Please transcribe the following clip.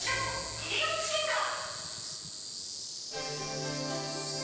ミリオンシンガー